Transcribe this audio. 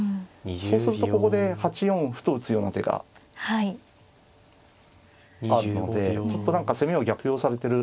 そうするとここで８四歩と打つような手があるのでちょっと何か攻めを逆用されてる。